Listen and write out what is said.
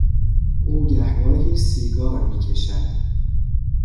او گهگاهی سیگار میکشد.